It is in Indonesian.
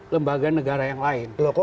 lembaga negara yang lain